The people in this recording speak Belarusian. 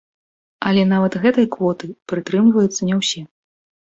Але нават гэтай квоты прытрымліваюцца не ўсе.